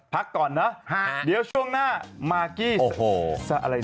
พักก่อนเนอะเดี๋ยวช่วงหน้ามากกี้โอ้โห